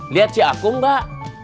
lihat si aku gak